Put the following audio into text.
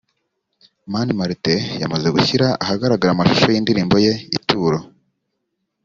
Mani Martin yamaze gushyira ahagaragara amashusho y’indirimbo ye Ituro